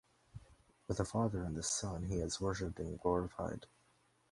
With the Father and the Son he is worshipped and glorified.